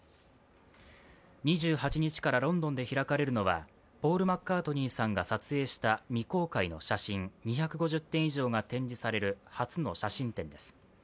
２８日からロンドンで開かれるのはポール・マッカートニーさんが撮影した未公開の写真、２５０点以上が展示される初の写真展です。